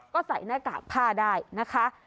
ก็ใส่หน้ากากผ้าได้นะคะ